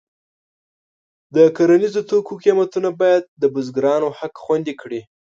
د کرنیزو توکو قیمتونه باید د بزګرانو حق خوندي کړي.